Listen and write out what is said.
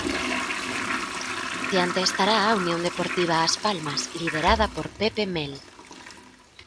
Diante estará a Unión Deportiva As Palmas liderada por Pepe Mel.